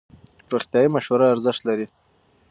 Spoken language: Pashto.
روغتیایي مشوره ارزښت لري.